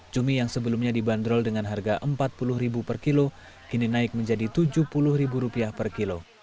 cumi yang sebelumnya dibanderol dengan harga rp empat puluh per kilo kini naik menjadi rp tujuh puluh per kilo